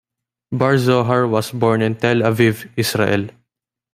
Bar Zohar was born in Tel Aviv, Israel.